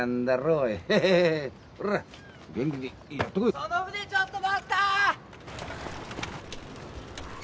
・その船ちょっと待った！